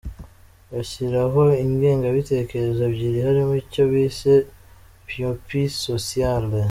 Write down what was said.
Bashyira ho ingengabitekerezo ebyiri harimo icyo bise Myopie sociale.